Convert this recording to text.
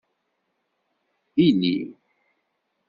Ili.